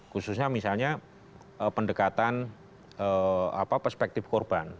khususnya misalnya pendekatan perspektif korban